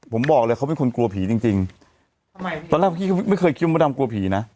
ผมบอกเลยเขาเป็นคนกลัวผีจริงจริงตอนแรกเมื่อกี้เขาไม่เคยคิวมดดำกลัวผีน่ะ